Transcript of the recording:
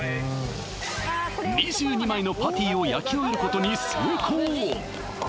２２枚のパティを焼き終えることに成功！